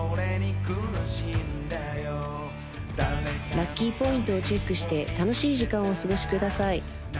ラッキーポイントをチェックして楽しい時間をお過ごしください